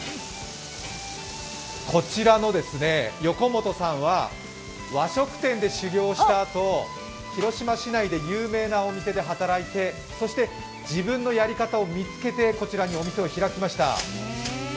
こちらの横本さんは、和食店で修業したあと、広島市内で有名なお店で働いてそして自分のやり方を見つけてこちらにお店を開きました。